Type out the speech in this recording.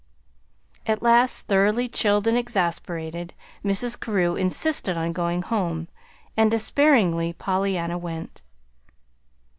At last, thoroughly chilled and exasperated, Mrs. Carew insisted on going home; and despairingly Pollyanna went.